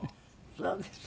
そうですか。